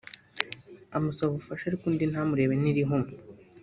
amusaba ubufasha ariko undi ntamurebe n’irihumye